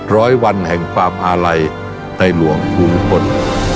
ร้อยวันแห่งความอาล่ายในร่วมหูนุ่นนม